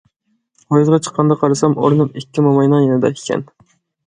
پويىزغا چىققاندا قارىسام ئورنۇم ئىككى موماينىڭ يېنىدا ئىكەن.